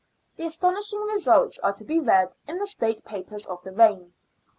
The astonishing results are to be read in the State Papers of the reign.